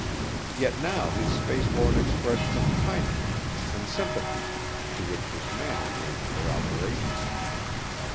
Yet now his face wore an expression of kindliness and sympathy to which his manner gave corroboration.